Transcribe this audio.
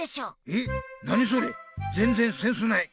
えっ何それぜんぜんセンスない。